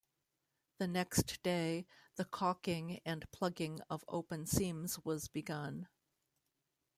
The next day the caulking and plugging of open seams was begun.